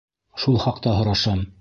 Шул хаҡта һорашам.